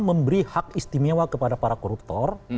memberi hak istimewa kepada para koruptor